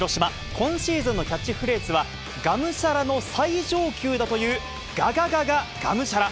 今シーズンのキャッチフレーズは、がむしゃらの最上級だという、がががががむしゃら。